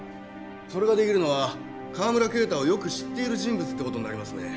それが出来るのは川村啓太をよく知っている人物って事になりますね。